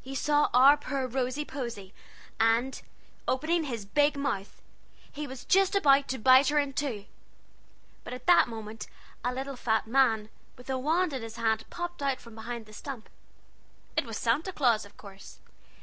He saw our poor Rosy Posy, and, opening his big mouth, he was just going to bite her in two; but at that minute a little fat man, with a wand in his hand, popped out from behind the stump. It was Santa Claus, of course.